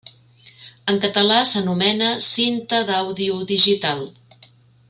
En català s'anomena Cinta d'Àudio Digital.